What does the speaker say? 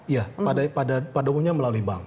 ya pada umumnya melalui bank